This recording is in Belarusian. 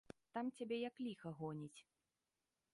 Там цябе як ліха гоніць!